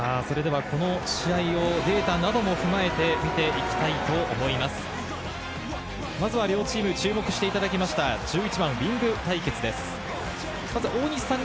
それではこの試合をデータなども踏まえて見ていきたいと思います。